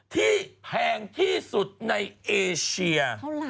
แพงที่สุดในเอเชีย